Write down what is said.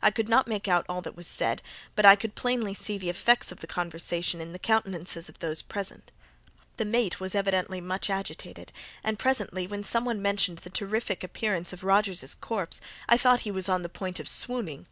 I could not make out all that was said, but I could plainly see the effects of the conversation in the countenances of those present. The mate was evidently much agitated, and presently, when some one mentioned the terrific appearance of Rogers' corpse, I thought he was upon the point of swooning.